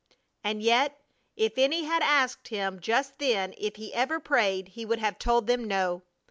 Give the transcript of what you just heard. And yet if any had asked him just then if he ever prayed he would have told them no.